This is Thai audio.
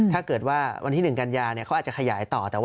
ถ้าเกิดว่าวันที่๑กันยาเขาอาจจะขยายต่อ